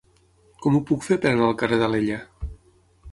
Com ho puc fer per anar al carrer d'Alella?